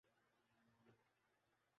خوف ناکامئ امید ہے فیضؔ